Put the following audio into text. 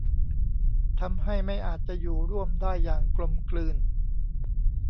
ทำให้ไม่อาจจะอยู่ร่วมได้อย่างกลมกลืน